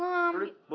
dari sini dulu